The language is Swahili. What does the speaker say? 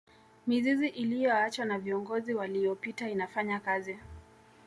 mizizi iliyoachwa na viongozi waliyopita inafanya kazi